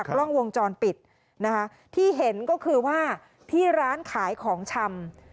กล้องวงจรปิดนะคะที่เห็นก็คือว่าที่ร้านขายของชำ